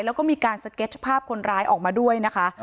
แล้วก็มีการสเก็ตภาพคนร้ายออกมาด้วยนะคะ